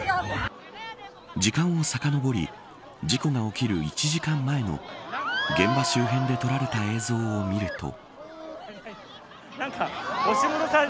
時間をさかのぼり事故が起きる１時間前の現場周辺で撮られた映像を見ると。